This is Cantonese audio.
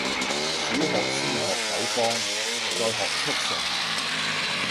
小學先學九方，再學速成